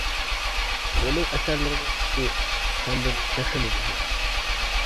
ئۇنىڭ ئەسەرلىرىنىڭ سۈپىتى سانىدىن تېخىمۇ مۇھىم.